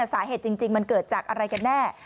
สาเหตุจริงมันเกิดจากอะไรกันแน่